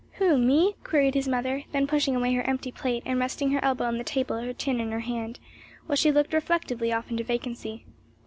"Who? me?" queried his mother; then pushing away her empty plate, and resting her elbow on the table, her chin in her hand, while she looked reflectively off into vacancy.